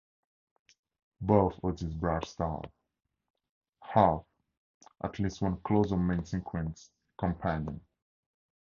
Both of these bright stars have at least one closer main sequence companion.